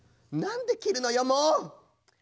なんできるのよもう！